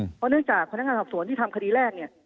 เพราะเนื่องจากพนักงานสอบสวนที่ทำคดีแรกเนี่ย